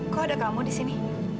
kok ada kamu di sini